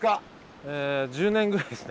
１０年ぐらいですね。